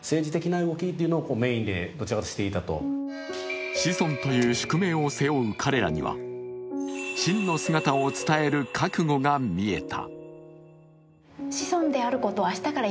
例えば子孫という宿命を背負う彼らには真の姿を伝える覚悟が見えた。